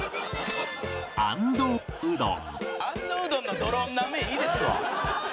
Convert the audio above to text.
「安藤うどんのドローンなめいいですわ」